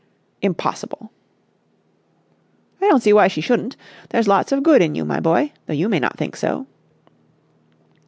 "Impossible!" "I don't see why she shouldn't. There's lots of good in you, my boy, though you may not think so."